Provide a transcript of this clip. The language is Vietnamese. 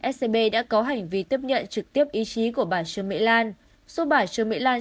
scb đã có hành vi tiếp nhận trực tiếp ý chí của bà trương mỹ lan